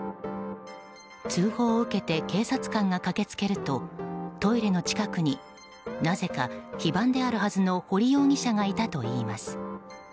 通報を受けて警察官が駆け付けるとトイレの近くになぜか非番であるはずの堀容疑者がいたといいます。